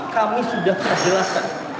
kami sudah menjelaskan